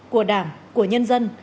của đảng của nhân dân